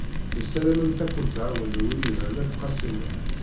Tessaramemt ad kent-tɛawen Wrida n At Qasi Muḥ.